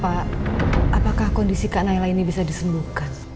pak apakah kondisi kak nela ini bisa disembuhkan